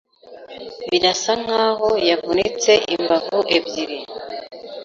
Birasa nkaho yavunitse imbavu ebyiri.